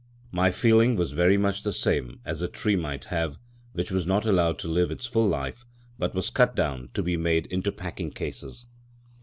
My feeling was very much the same as a tree might have, which was not allowed to live its full life, but was cut down to be made into packing cases.